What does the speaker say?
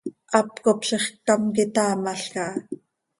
Hap cop ziix ccam quitaamalca ha.